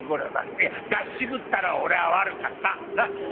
いや出し渋ったのは俺が悪かった。